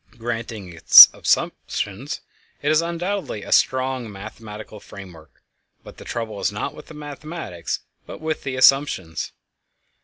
Granting its assumptions, it has undoubtedly a strong mathematical framework, but the trouble is not with the mathematics but with the assumptions.